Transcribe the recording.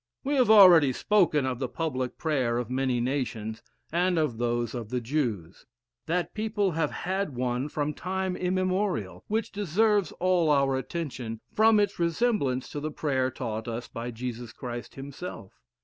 We have already spoken of the public prayer of many nations, and of those of the Jews. That people have had one from time immemorial, which deserves all our attention, from its resemblance to the prayer taught us by Jesus Christ himself.